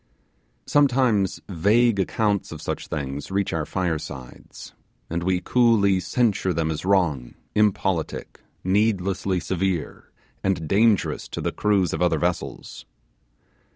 Sometimes vague accounts of such thing's reach our firesides, and we coolly censure them as wrong, impolitic, needlessly severe, and dangerous to the crews of other vessels.